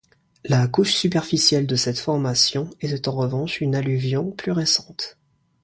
La couche superficielle de cette formation est en revanche une alluvion plus récente.